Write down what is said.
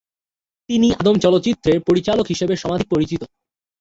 তিনি আদম চলচ্চিত্রের পরিচালক হিসেবে সমধিক পরিচিত।